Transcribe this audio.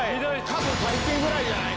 過去最低ぐらいじゃない？